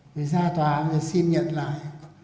vì ra tòa người xin nhận lại